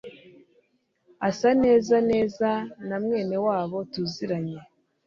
Asa neza neza na mwene wabo tuziranye